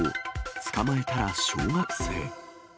捕まえたら小学生。